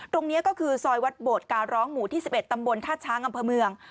ตรงนี้ก็คือซอยวัดโบดการร้องหมู่ที่๑๑ตำบลท่าช้างอำเภอเมือง